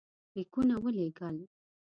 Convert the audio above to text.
لیکونه ولېږل.